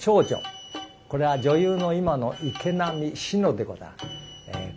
これは女優の今の池波志乃でございます。